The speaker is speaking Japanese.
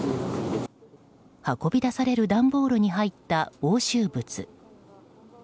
運び出される段ボールに入った押収物。